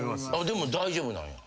でも大丈夫なんや。